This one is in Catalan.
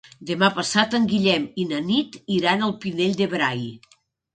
Demà passat en Guillem i na Nit iran al Pinell de Brai.